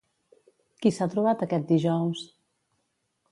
Qui s'ha trobat aquest dijous?